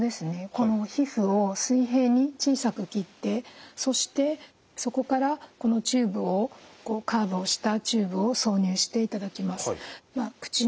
この皮膚を水平に小さく切ってそしてそこからこのチューブをこうカーブをしたチューブを挿入していただきます。